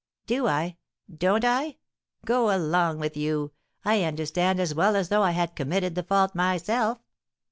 "Do I? Don't I? Go along with you! I understand as well as though I had committed the fault myself."